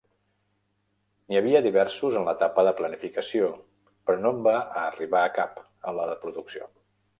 N'hi havia diversos en l'etapa de planificació, però no en va arribar cap a la de producció.